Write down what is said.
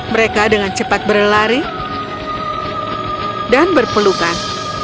mereka dengan cepat berlari dan berpelukan